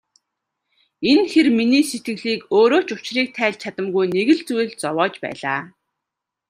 Энэ хэр миний сэтгэлийг өөрөө ч учрыг тайлж чадамгүй нэг л зүйл зовоож байлаа.